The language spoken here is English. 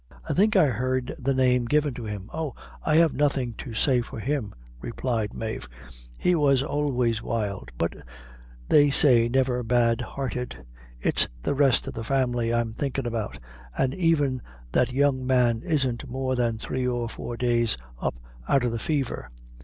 I think I heard the name given to him." "Oh, I have nothing to say for him," replied Mave; "he was always wild, but they say never bad hearted; it's the rest of the family I'm thinking about and even that young man isn't more than three or four days up out o' the fever.